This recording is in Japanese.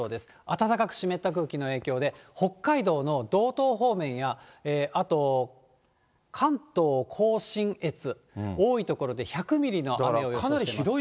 暖かく湿った空気の影響で、北海道の道東方面や、あと関東甲信越、多い所で１００ミリの雨を予想しています。